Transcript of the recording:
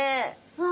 わあ！